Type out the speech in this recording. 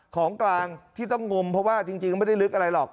ของกลางที่ต้องงมเพราะว่าจริงไม่ได้ลึกอะไรหรอก